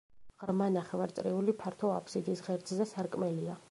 ღრმა ნახევარწრიული ფართო აფსიდის ღერძზე სარკმელია.